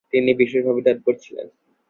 তিনি বিশেষভাবে তৎপর ছিলেন।